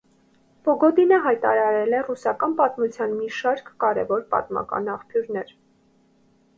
Պոգոդինը հրատարակել է ռուսական պատմության մի շարք կարևոր պատմական աղբյուրներ։